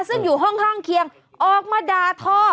ซึ่งอยู่ห้องข้างเคียงออกมาด่าทอ